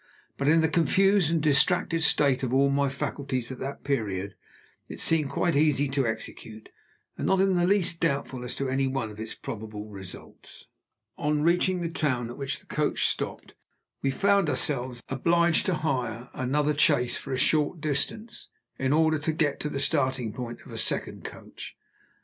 But, in the confused and distracted state of all my faculties at that period, it seemed quite easy to execute, and not in the least doubtful as to any one of its probable results. On reaching the town at which the coach stopped, we found ourselves obliged to hire another chaise for a short distance, in order to get to the starting point of a second coach.